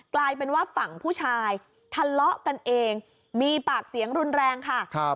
กลายเป็นว่าฝั่งผู้ชายทะเลาะกันเองมีปากเสียงรุนแรงค่ะ